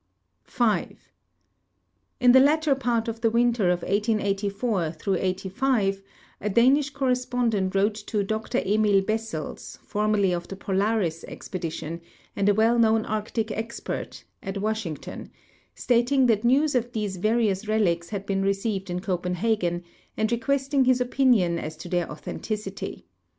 5. In the latter part of the winter of 1884 '85 a Danish corre spondent wrote to Dr Emil Bessels, formerly of the Polaris ex pedition and a well known arctic expert, at Washington, stating that news of these various relics had been received in Copenhagen and requesting his opinion as to their authenticity.